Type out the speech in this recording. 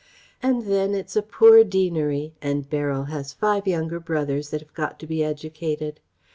And then it's a poor deanery and Beryl has five younger brothers that have got to be educated.